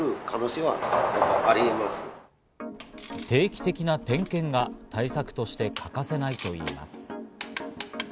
定期的な点検が対策として欠かせないといいます。